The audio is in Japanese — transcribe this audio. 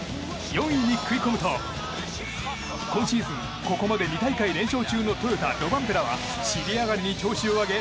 ４位に食い込むと、今シーズンここまで２大会連勝中のトヨタ、ロバンペラは尻上がりに調子を上げ